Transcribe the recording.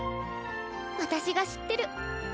私が知ってる。